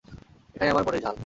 এটাই আমার মনের ঝাল।